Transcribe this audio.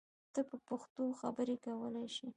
ته په پښتو خبری کولای شی!